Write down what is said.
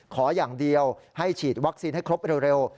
ขออย่างเดียวให้ฉีดวัคซีนให้ครบเร็ว